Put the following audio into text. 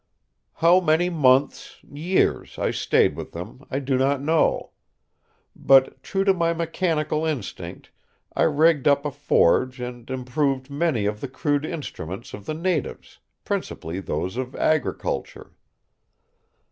"How many months, years, I stayed with them I do not know. But, true to my mechanical instinct, I rigged up a forge and improved many of the crude instruments of the natives, principally those of agriculture.